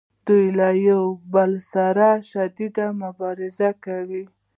دوی یو له بل سره شدیده مبارزه کوي